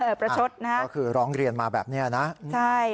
ประชดนะฮะก็คือร้องเรียนมาแบบเนี้ยนะใช่